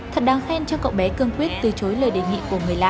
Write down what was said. thật đáng khen cho cậu bé cương quyết từ chối lời đề nghị của người lạ